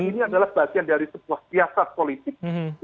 ini adalah bagian dari sebuah siasat politik